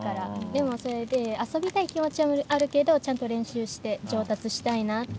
でもそれで遊びたい気持ちはあるけどちゃんと練習して上達したいなって。